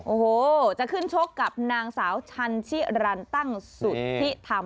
โอ้โหจะขึ้นชกกับนางสาวชันชิรันตั้งสุทธิธรรม